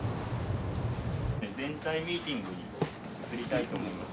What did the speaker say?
全体ミーティングに移りたいと思います。